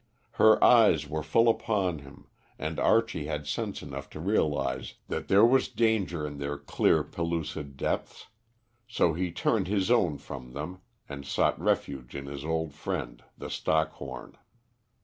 Her eyes were full upon him, and Archie had sense enough to realise that there was danger in their clear pellucid depths, so he turned his own from them, and sought refuge in his old friend, the Stockhorn.